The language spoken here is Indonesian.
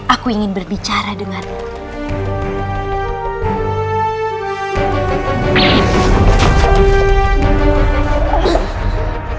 aku ingin berbicara denganmu